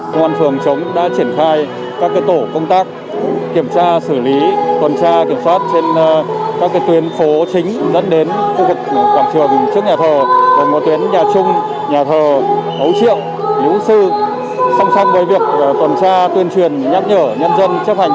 lực lượng công an phường hàng chống đã triển khai các tổ công tác kiểm tra xử lý tuần tra kiểm soát trên các tuyến phố chính dẫn đến khu vực quảng trường trước nhà thờ